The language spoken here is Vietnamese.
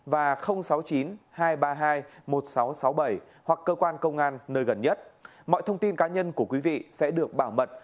và sáu mươi chín hai trăm ba mươi hai một nghìn sáu trăm sáu mươi bảy hoặc cơ quan công an nơi gần nhất mọi thông tin cá nhân của quý vị sẽ được bảo mật